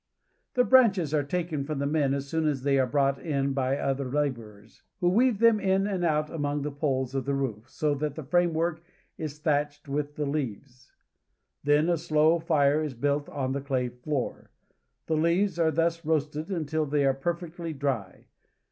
The branches are taken from the men as soon as they are brought in by other laborers, who weave them in and out among the poles of the roof, so that the framework is thatched with the leaves. Then a slow fire is built on the clay floor, and the leaves are thus roasted until they are perfectly dry.